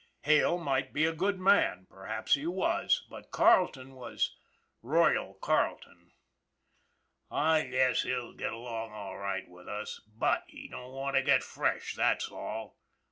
Hale might be a good man, per haps he was, but Carleton was " Royal " Carleton. " I guess he'll get along all right with us, but he don't want to get fresh, that's all.